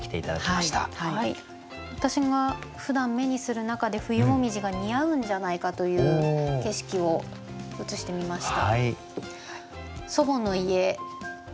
私がふだん目にする中で冬紅葉が似合うんじゃないかという景色を写してみました。